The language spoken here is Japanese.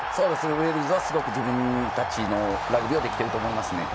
ウェールズは自分たちのラグビーができていると思います。